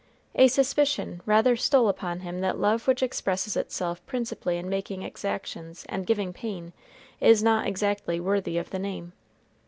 A suspicion rather stole upon him that love which expresses itself principally in making exactions and giving pain is not exactly worthy of the name.